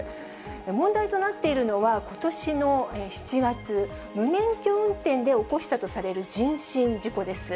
問題となっているのは、ことしの７月、無免許運転で起こしたとされる人身事故です。